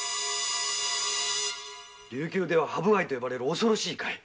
琉球ではハブガイと呼ばれる恐ろしい貝。